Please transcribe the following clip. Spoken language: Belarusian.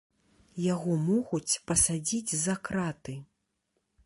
Яго могуць пасадзіць за краты.